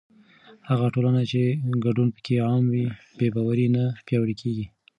هغه ټولنه چې ګډون پکې عام وي، بې باوري نه پیاوړې کېږي.